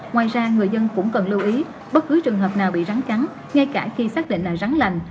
ngoài ra người dân cũng cần lưu ý bất cứ trường hợp nào bị rắn cắn ngay cả khi xác định là rắn lành